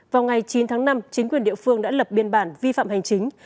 vào ngày chín tháng năm chính quyền địa phương đã lập biên bản vi phạm hành chính